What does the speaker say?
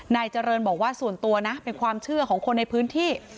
นายเจริญบอกว่าส่วนตัวนะเป็นความเชื่อของคนในพื้นที่